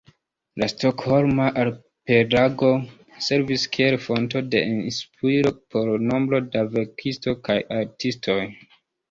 La Stokholma arkipelago servis kiel fonto de inspiro por nombro da verkistoj kaj artistoj.